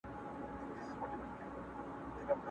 جهاني قلم دي مات سه چي د ویر افسانې لیکې٫